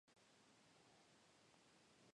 Tipo y generosidad del escote a elegir por la mujer.